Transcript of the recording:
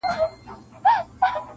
ښاخ پر ښاخ باندي پټېږي کور یې ورک دی-